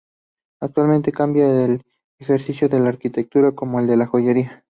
Actualmente combina el ejercicio de la arquitectura con el de la joyería.